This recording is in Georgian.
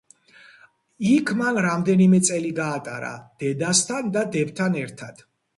იქ მან რამდენიმე წელი გაატარა, დედასთან და დებთან ერთად.